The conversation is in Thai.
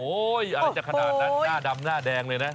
โอ้ยคนนั้นน่าแดมน่าแดงเลยนะ